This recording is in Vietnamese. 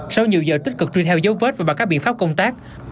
sau nhiều giờ tích cực truy theo dấu vết và bằng các biện pháp công tác